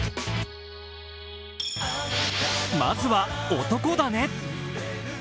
まずは、男だね。